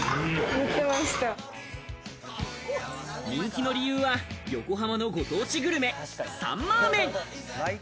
人気の理由は、横浜のご当地グルメ・サンマーメン。